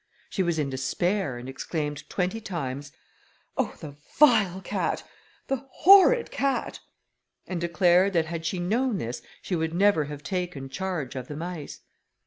She was in despair, and exclaimed twenty times, "Oh! the vile cat! the horrid cat!" and declared that had she known this, she would never have taken charge of the mice.